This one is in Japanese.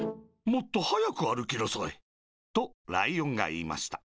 もっとはやくあるきなさい」とライオンがいいました。